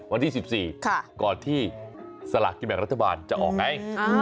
วันที่๑๔ก่อนที่สลากกินแบ่งรัฐบาลจะออกไง